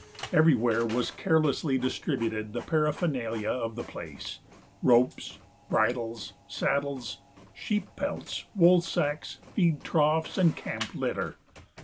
Everywhere was carelessly distributed the paraphernalia of the place ropes, bridles, saddles, sheep pelts, wool sacks, feed troughs, and camp litter.